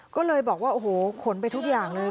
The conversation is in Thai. ก็เลยบอกว่าโอ้โหขนไปทุกอย่างเลย